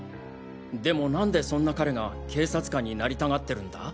でも何でそんな彼が警察官になりたがってるんだ？